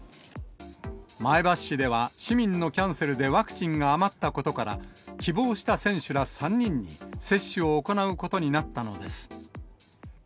前橋市では、市民のキャンセルでワクチンが余ったことから、希望した選手ら３人に、接種を行うことになったのです。